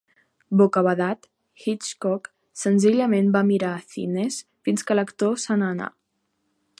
Bocabadat, Hitchcock senzillament va mirar a Thinnes fins que l'actor se n'anà.